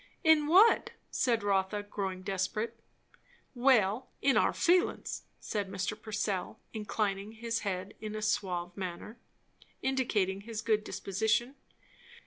"In what?" said Rotha, growing desperate. "Well, in our feelin's," said Mr. Purcell, inclining his head in a suave manner, indicating his good disposition.